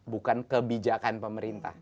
bukan kebijakan pemerintah